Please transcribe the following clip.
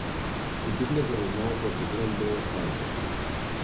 Scutirile vor urma o procedură în două faze.